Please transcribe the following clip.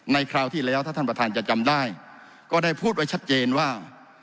คราวที่แล้วถ้าท่านประธานจะจำได้ก็ได้พูดไว้ชัดเจนว่า